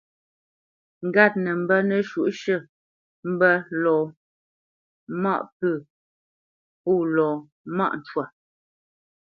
Ŋgât nə mbə́ nəshǔʼshʉ̂ mbə́ lɔ maʼ pə̂ pô lɔ mâʼ cwa.